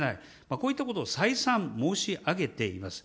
こういったことを再三申し上げています。